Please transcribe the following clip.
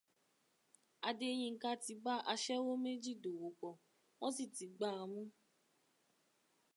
Adéyínká ti bá aṣẹ́wó méjì dòwòpọ̀, wọ́n sì ti gbáa mú